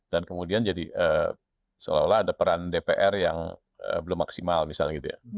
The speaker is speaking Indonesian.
dan kemudian jadi seolah olah ada peran dpr yang belum maksimal misalnya gitu ya